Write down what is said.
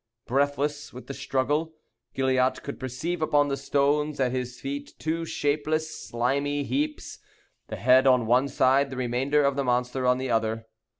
Breathless with the struggle, Gilliatt could perceive upon the stones at his feet two shapeless, slimy heaps, the head on one side, the remainder of the monster on the other.